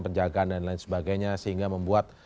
penjagaan dan lain sebagainya sehingga membuat